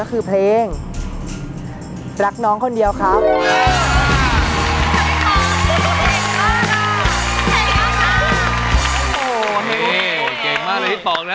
เก่งมากเลยพี่ป๋องนะ